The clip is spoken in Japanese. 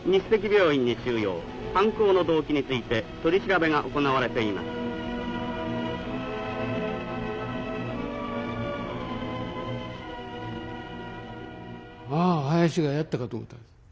犯行の動機について取り調べが行われていますああ林がやったかと思った。